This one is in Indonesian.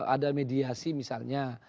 ada mediasi misalnya